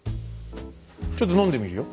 ちょっと飲んでみるよ。